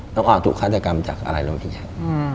น้องอ่อนถูกฮัตกรรมจากอลัยลำพิชัย